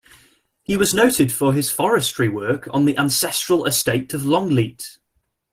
He was noted for his forestry work on the ancestral estate of Longleat.